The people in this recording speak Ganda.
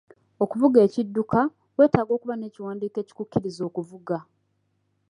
Okuvuga ekidduka, weetaaga okuba n'ekiwandiiko ekikukkiriza okuvuga.